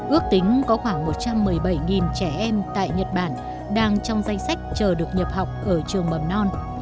ước tính có khoảng một trăm một mươi bảy trẻ em tại nhật bản đang trong danh sách chờ được nhập học ở trường mầm non